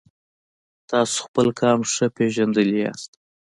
تاسو خپل قام ښه پیژندلی یاست.